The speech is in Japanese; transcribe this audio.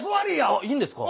あいいんですか？